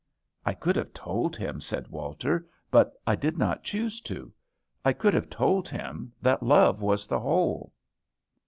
"I could have told him," said Walter, "but I did not choose to; I could have told him that love was the whole."